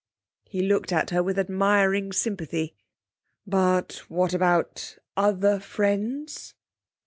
He looked at her with admiring sympathy. 'But what about other friends?'